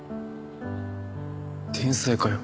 天才かよ。